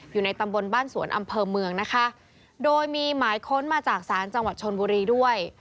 อยู่ในตำบลบ้านสวนอำเภอเมืองนะคะโดยมีหมายค้นมาจากศาลจังหวัดชนบุรีด้วย